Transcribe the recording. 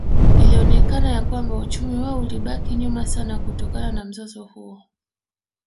Ilionekana ya kwamba uchumi wao ulibaki nyuma sana kutokana na mzozo huo